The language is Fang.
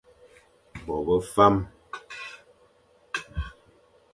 Bo be fam.